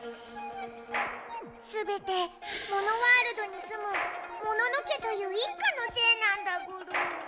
すべてモノワールドにすむモノノ家という一家のせいなんだゴロ。